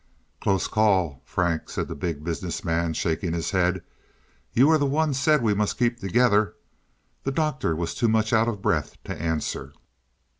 "Close call, Frank," said the Big Business Man, shaking his head. "You were the one said we must keep together." The Doctor was too much out of breath to answer.